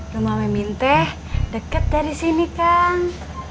rumah mimin teh deket dari sini kang